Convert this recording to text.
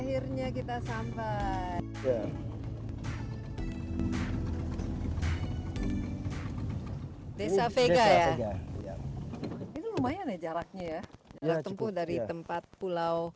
akhirnya kita sampai desa vega ya lumayan jaraknya ya tempat pulau